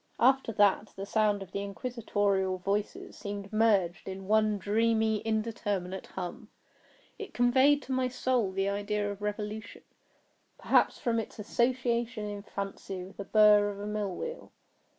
After that, the sound of the inquisitorial voices seemed merged in one dreamy indeterminate hum. It conveyed to my soul the idea of revolution—perhaps from its association in fancy with the burr of a mill wheel.